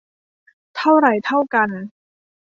เท่าไหร่เท่ากัน